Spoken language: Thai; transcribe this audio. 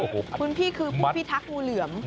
คุณพี่คือผู้พิทักษ์งูเหลือม